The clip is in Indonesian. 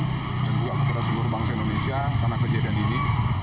dan juga kepada seluruh bangsa indonesia karena kejadian ini